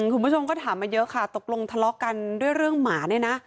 คุณผู้ชมก็ถามมาเยอะค่ะตกลงทะเลาะกันด้วยเรื่องหมาเนี่ยนะ